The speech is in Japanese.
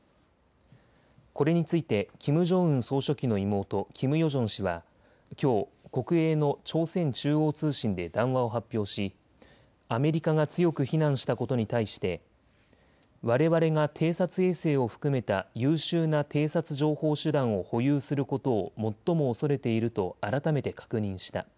これについてキム・ジョンウン総書記の妹、キム・ヨジョン氏はきょう国営の朝鮮中央通信で談話を発表しアメリカが強く非難したことに対してわれわれが偵察衛星を含めた優秀な偵察情報手段を保有することを最も恐れていると改めて確認した。